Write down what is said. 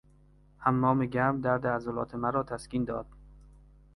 حمام گرم درد عضلات مرا تسکین داد.